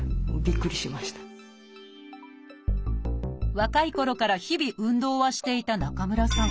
若いころから日々運動はしていた中村さん。